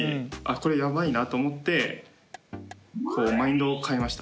これやばいなと思ってマインドを変えました。